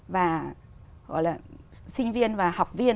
và gọi là sinh viên và học viên